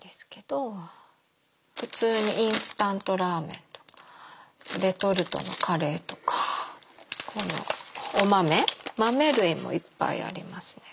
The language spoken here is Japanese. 普通にインスタントラーメンとかレトルトのカレーとか。お豆豆類もいっぱいありますね。